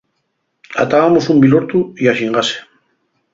Atábamos un bilortu y a xingase.